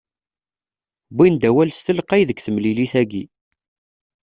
Wwin-d awal s telqay deg temlilit-agi.